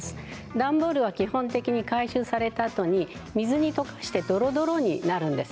段ボールは基本的には回収されたあとに水で溶かしてどろどろになるんです。